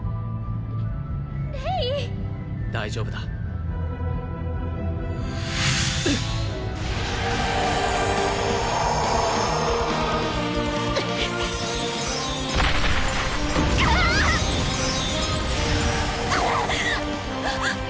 レイ大丈夫だうわあっ！